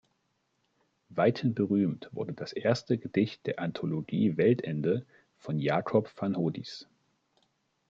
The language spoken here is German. Weithin berühmt wurde das erste Gedicht der Anthologie Weltende von Jakob van Hoddis.